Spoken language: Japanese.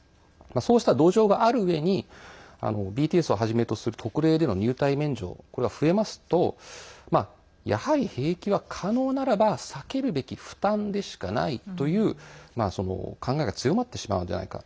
そうした土壌があるうえにＢＴＳをはじめとする特例での入隊免除これが増えますとやはり兵役は可能ならば避けるべき負担でしかないという考えが強まってしまうんではないか。